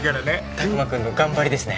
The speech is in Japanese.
拓磨くんの頑張りですね。